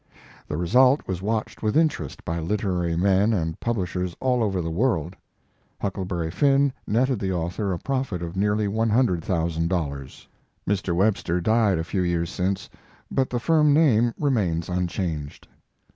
The result was watched with interest by literary men and publishers all over the world. Huckleberry Finn" netted the author a profit of nearly $100,000. Mr. Webster died a few years since but the firm name remains unchanged.